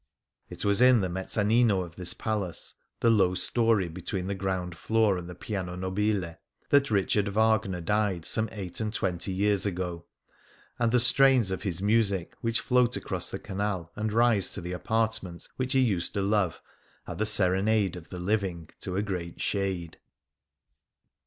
It was in the mezzanino 43 Things Seen . in Venice of this palace — the low story between the ground floor and the piano nobile — that Richard Wagner died some eight and twenty years ago ; and the strains of his music which float across the canal and rise to the apartment which he used to love, are the serenade of the living to a great Shade.